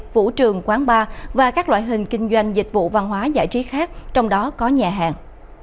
vũ trường quán bar và các loại hình kinh doanh dịch vụ văn hóa giải trí khác trong đó có nhà hàng